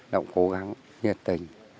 đã cố gắng nhiệt tình